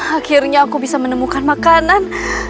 akhirnya aku bisa menemukan makanan